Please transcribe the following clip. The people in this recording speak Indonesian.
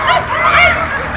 sekarang buckle aku